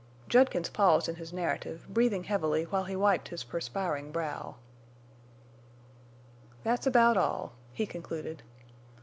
Judkins paused in his narrative, breathing heavily while he wiped his perspiring brow. "Thet's about all," he concluded.